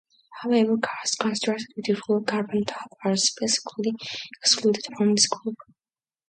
However, cars constructed with a full carbon tub are specifically excluded from this Group.